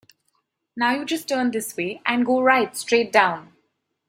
Now you just turn this way and go right straight down.